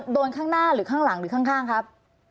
โดนข้างหน้าหรือข้างหลังหรือข้างครับ